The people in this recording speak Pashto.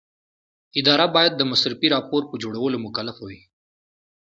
اداره باید د مصرفي راپور په جوړولو مکلفه وي.